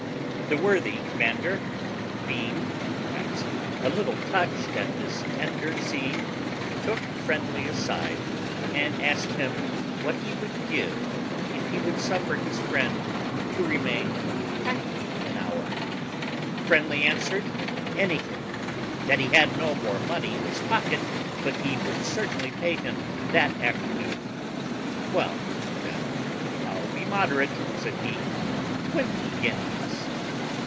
The worthy commander, being perhaps a little touched at this tender scene, took Friendly aside, and asked him what he would give if he would suffer his friend to remain half an hour? Friendly answered, anything; that he had no more money in his pocket, but he would certainly pay him that afternoon. "Well, then, I'll be moderate," said he; "twenty guineas."